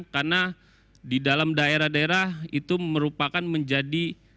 karena di dalam daerah daerah itu merupakan menjadi